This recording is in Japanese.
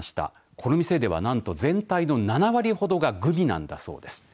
この店では何と全体の７割ほどがグミなんだそうです。